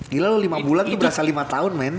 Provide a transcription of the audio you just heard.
gila lo lima bulan itu berasa lima tahun men